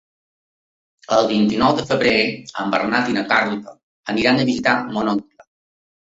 El vint-i-nou de febrer en Bernat i na Carla aniran a visitar mon oncle.